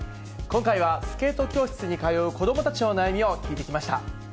今回はスケート教室に通う子どもたちの悩みを聞いてきました。